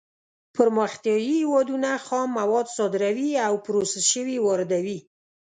پرمختیايي هېوادونه خام مواد صادروي او پروسس شوي واردوي.